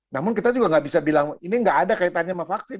namun kita juga nggak bisa bilang ini nggak ada kaitannya sama vaksin